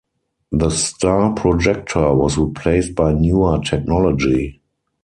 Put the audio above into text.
The star projector was replaced by newer technology.